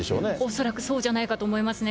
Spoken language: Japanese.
恐らくそうじゃないかと思いますね。